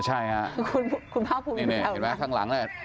นี่เห็นไหมทางหลังน่ะ